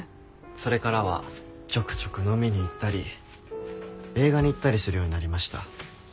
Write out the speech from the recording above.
それからはちょくちょく飲みに行ったり映画に行ったりするようになりました。